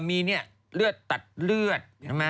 มีเนี่ยเลือดตัดเลือด